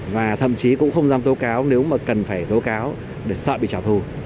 và thậm chí cũng không dám tố cáo nếu mà cần phải tố cáo để sợ bị trả thù